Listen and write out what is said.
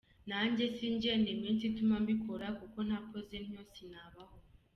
Nanjye si njye ni iminsi ituma mbikora kuko ntakoze ntyo sinabaho.